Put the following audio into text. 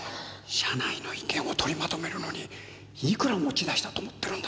社内の意見を取りまとめるのにいくら持ち出したと思ってるんだ？